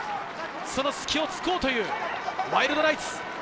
その隙を突こうというワイルドナイツ。